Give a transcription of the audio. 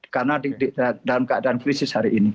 karena dalam keadaan krisis hari ini